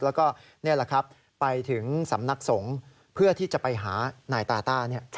แล้วก็นี่แหละครับไปถึงสำนักสงฆ์เพื่อที่จะไปหานายตาต้า